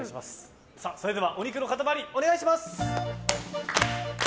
それではお肉の塊お願いします。